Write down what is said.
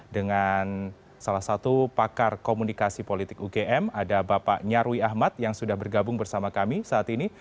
dengan salah satu pakar komunikasi politik ugm ada bapak nyarwi ahmad yang sudah bergabung bersama kami saat ini